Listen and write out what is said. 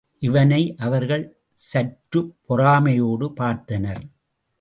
இவனை அவர்கள் சற்றுப் பொறாமையோடு பார்த்தனர்.